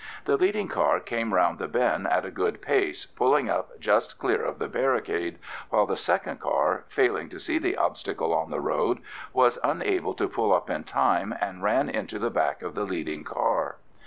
The leading car came round the bend at a good pace, pulling up just clear of the barricade, while the second car, failing to see the obstacle on the road, was unable to pull up in time, and ran into the back of the leading car.